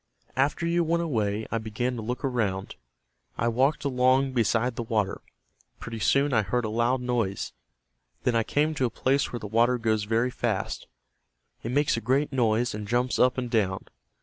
"After you went away I began to look around. I walked along beside the water. Pretty soon I heard a loud noise. Then I came to a place where the water goes very fast. It makes a great noise and jumps up and down.